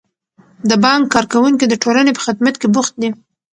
د بانک کارکوونکي د ټولنې په خدمت کې بوخت دي.